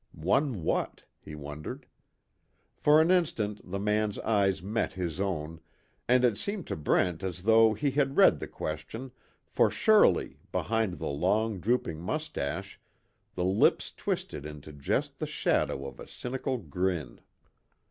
Won what? He wondered. For an instant the man's eyes met his own, and it seemed to Brent as though he had read the question for surely, behind the long drooping mustache, the lips twisted into just the shadow of a cynical grin.